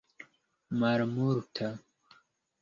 malmulta